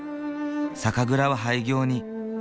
酒蔵は廃業に。